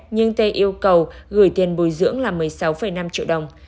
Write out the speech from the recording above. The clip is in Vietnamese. nhưng t yêu cầu gửi tiền bồi dưỡng là một mươi sáu năm triệu đồng